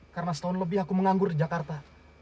karena setahun lebih aku menganggur di jakarta